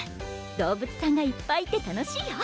動物さんがいっぱいいて楽しいよ